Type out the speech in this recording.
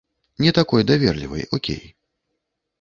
Не такой даверлівай, окей.